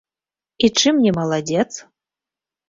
І чым не маладзец?